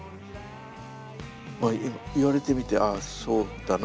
まあ今言われてみてああそうだな